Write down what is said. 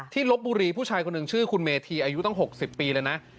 ลบบุรีผู้ชายคนหนึ่งชื่อคุณเมธีอายุตั้ง๖๐ปีเลยนะ